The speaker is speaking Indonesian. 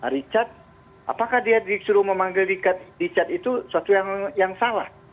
richard apakah dia disuruh memanggil richard itu sesuatu yang salah